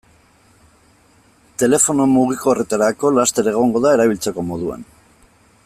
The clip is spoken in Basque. Telefono mugikorretarako laster egongo da erabiltzeko moduan.